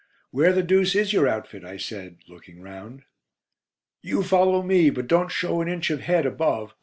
"Where the deuce is your outfit?" I said, looking round. "You follow me, but don't show an inch of head above.